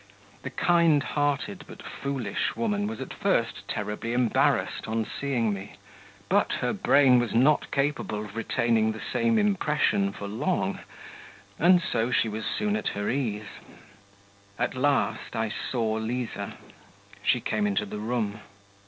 The kind hearted but foolish woman was at first terribly embarrassed on seeing me; but her brain was not capable of retaining the same impression for long, and so she was soon at her ease. At last I saw Liza ... she came into the room....